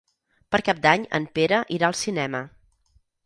Per Cap d'Any en Pere irà al cinema.